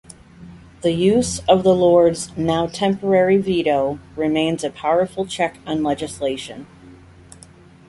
The use of the Lords' now temporary veto, remains a powerful check on legislation.